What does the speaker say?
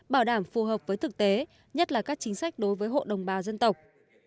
bảo đảm phù hợp với thực tế nhất là các chính sách đối với hộ đồng bào dân tộc